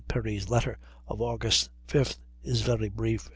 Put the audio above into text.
Perry's letter of Aug. 5th is very brief.